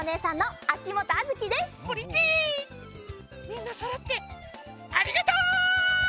みんなそろってありがと！